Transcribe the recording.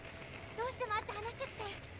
どうしても会って話したくて。